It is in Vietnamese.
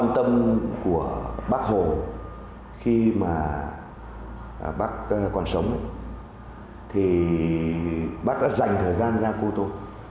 thì bác đã dành thời gian ra cô tô